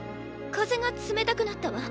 風が冷たくなったわ。